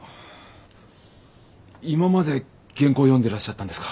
今まで原稿読んでらっしゃったんですか？